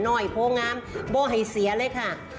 น้อยโผล่งามบ่อยให้เสียเลยค่ะ